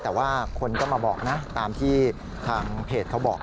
แต่ว่าคนก็มาบอกนะตามที่ทางเพจเขาบอก